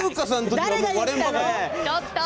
ちょっと！